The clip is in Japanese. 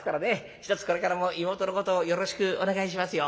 ひとつこれからも妹のことをよろしくお願いしますよ。